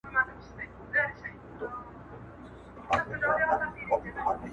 هم کاغذ هم یې قلم ورته پیدا کړ -